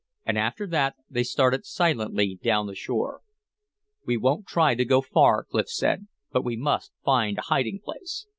And after that they started silently down the shore. "We won't try to go far," Clif said, "but we must find a hiding place."